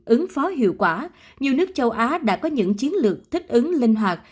ứng phó hiệu quả nhiều nước châu á đã có những chiến lược thích ứng linh hoạt